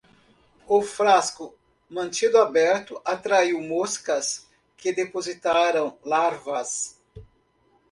O frasco mantido aberto atraiu moscas que depositaram larvas